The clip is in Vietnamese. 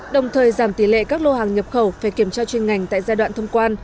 đồng thời giảm tỷ lệ các lô hàng nhập khẩu phải kiểm tra chuyên ngành tại giai đoạn thông quan